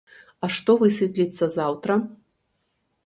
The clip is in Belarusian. А што высветліцца заўтра?